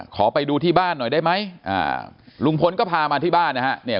ขอไปดูที่บ้านหน่อยได้ไหมอ่าลุงพลก็พามาที่บ้านนะฮะเนี่ย